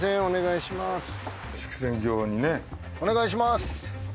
お願いします！